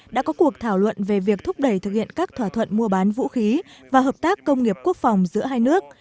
đã có cuộc thảo luận về việc thúc đẩy thực hiện các thỏa thuận mua bán vũ khí và hợp tác công nghiệp quốc phòng giữa hai nước